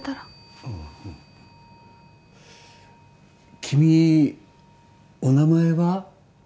うん君お名前は？